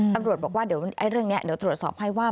ตำรวจบอกว่าเดี๋ยวเรื่องนี้เดี๋ยวตรวจสอบให้ว่า